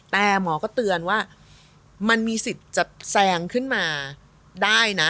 แต่หมอก็เตือนว่ามันมีสิทธิ์จะแซงขึ้นมาได้นะ